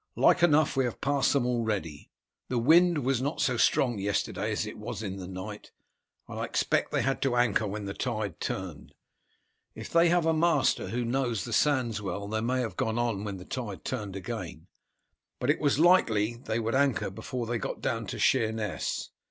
Like enough we have passed them already. The wind was not so strong yesterday as it was in the night, and I expect they had to anchor when the tide turned. If they have a master who knows the sands well they may have gone on when the tide turned again, but it was likely they would anchor before they got down to Sheerness.